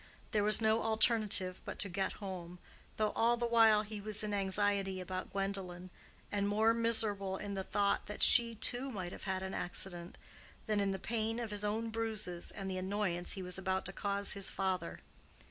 There was no alternative but to get home, though all the while he was in anxiety about Gwendolen, and more miserable in the thought that she, too, might have had an accident, than in the pain of his own bruises and the annoyance he was about to cause his father.